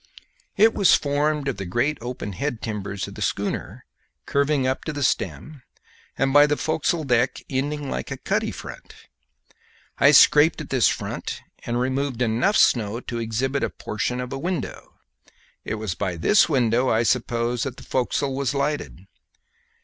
It was formed of the great open head timbers of the schooner curving up to the stem, and by the forecastle deck ending like a cuddy front. I scraped at this front and removed enough snow to exhibit a portion of a window. It was by this window I supposed that the forecastle was lighted.